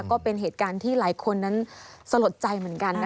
ก็เป็นเหตุการณ์ที่หลายคนนั้นสลดใจเหมือนกันนะคะ